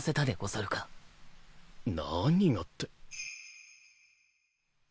何がって。